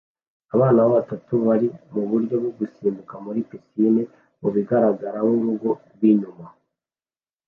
Abana batatu bari muburyo bwo gusimbukira muri pisine mubigaragara nkurugo rwinyuma